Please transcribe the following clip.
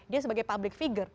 dia sebagai public figure